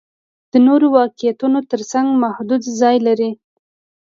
د نورو واقعیتونو تر څنګ محدود ځای لري.